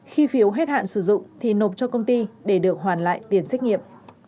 khi phiếu hết hạn sử dụng thì nộp cho công ty để được hoàn lại tiền xét nghiệm